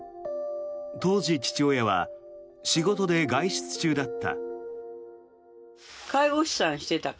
当時、父親は仕事で外出中だった。